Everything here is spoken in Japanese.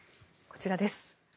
こちらです。